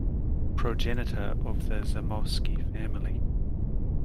Progenitor of the Zamoyski family.